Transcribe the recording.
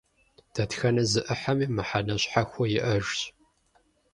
Дэтхэнэ зы Ӏыхьэми мыхьэнэ щхьэхуэ иӀэжщ.